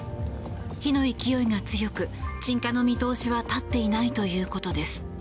火の勢いが強く鎮火の見通しは立っていないということです。